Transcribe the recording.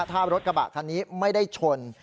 ถ้ารถกระบะคันนี้ไม่ได้ชน